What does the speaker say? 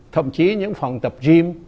thậm chí những phòng tập gym